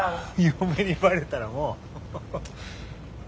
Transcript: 嫁にバレたらもう。